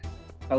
terima kasih mbak